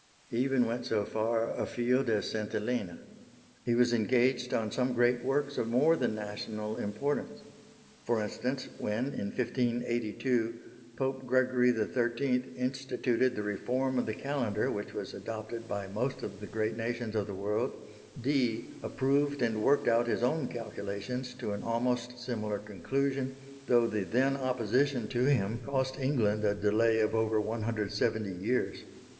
He even went so far afield as St. Helena. He was engaged on some great works of more than national importance. For instance, when in 1582, Pope Gregory XIII instituted the reform of the Calendar which was adopted by most of the great nations of the world, Dee approved and worked out his own calculations to an almost similar conclusion, though the then opposition to him cost England a delay of over one hundred and seventy years.